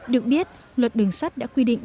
được biết luật đường sắt đã quy định